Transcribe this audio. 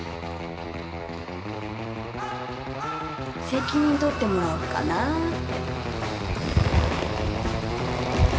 責任取ってもらおうかなって。